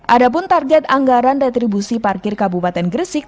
adapun target anggaran retribusi parkir kabupaten gresik